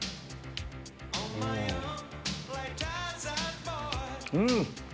うん！